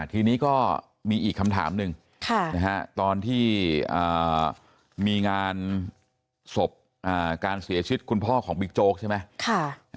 ทีนี้ก็มีอีกคำถามหนึ่งตอนที่มีงานศพการเสียชีวิตคุณพ่อของบิ๊กโจ๊กใช่ไหม